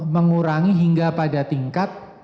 mengurangi hingga pada tingkat